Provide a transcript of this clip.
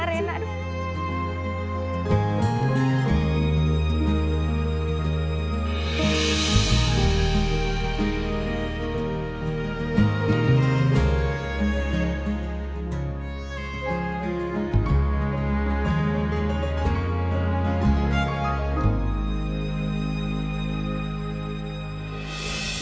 j pin ripening yuk